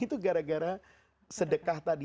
itu gara gara sedekah tadi